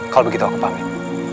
kalau begitu aku pamit